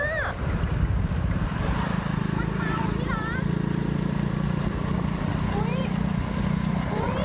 มันเมานี่ล่ะ